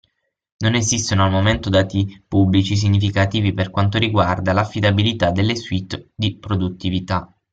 Non esistono al momento dati pubblici significativi per quanto riguarda l'affidabilità delle suite di produttività.